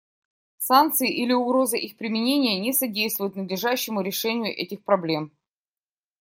Санкции или угроза их применения не содействуют надлежащему решению этих проблем.